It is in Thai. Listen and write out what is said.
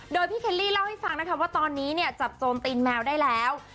โดยพี่เคลลี่เล่าให้ฟังนะคะว่าตอนนี้เนี่ยจับโจมตีนแมวได้แล้ว